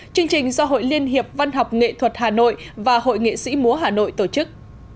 chương trình do hội liên hiệp văn học nghệ thuật hà nội và hội nghệ sĩ múa hà nội tổ chức